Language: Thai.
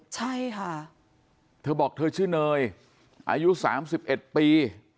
ใช่ค่ะเธอบอกเธอชื่อเนยอายุ๓๑ปี